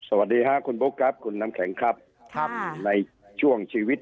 สวัสดีค่ะคุณบุ๊คครับคุณน้ำแข็งครับในช่วงชีวิต